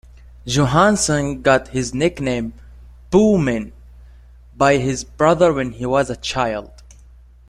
Johansen got his nickname "Bummen" by his brother when he was a child.